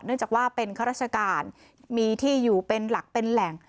จากว่าเป็นข้าราชการมีที่อยู่เป็นหลักเป็นแหล่ง